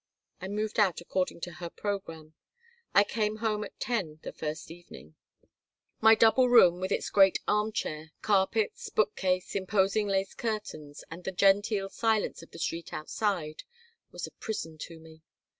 I moved out according to her program. I came home at 10 the first evening. My double room, with its great arm chair, carpets, bookcase, imposing lace curtains, and the genteel silence of the street outside, was a prison to me.